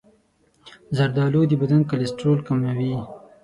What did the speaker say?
زردآلو د بدن کلسترول کموي.